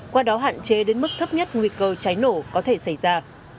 qua đó hạn chế đến mức thấp nhất nguy cơ cháy nổ có thể xảy ra